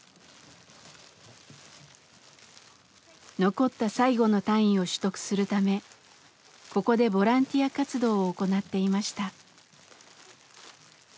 残った最後の単位を取得するためここでボランティア活動を行っていました。